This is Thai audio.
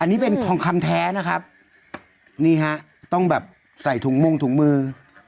อันนี้เป็นทองคำแท้นะครับนี่ฮะต้องแบบใส่ถุงมงถุงมือ